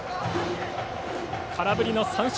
空振り三振。